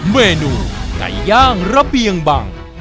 เมนูไก่ย่างระเบียงบัง